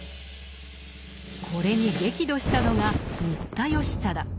これに激怒したのが新田義貞。